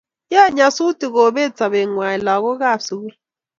Yoei nyasutik kobet sobengwai lagokab sukul